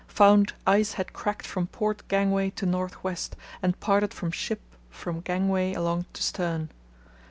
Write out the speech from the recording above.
Found ice had cracked from port gangway to north west, and parted from ship from gangway along to stern.